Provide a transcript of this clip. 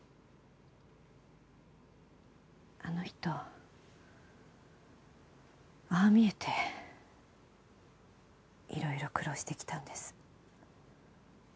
あの人ああ見えていろいろ苦労してきたんです。